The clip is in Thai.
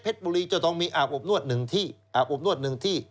เพชรบุรีจะต้องมีอาบอบนวดหนึ่งที่